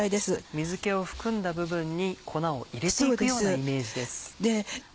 水気を含んだ部分に粉を入れていくようなイメージです。